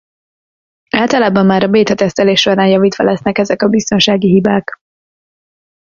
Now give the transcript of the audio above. Álltalában már a béta tesztelés során javítva lesznek ezek a biztonsági hibák.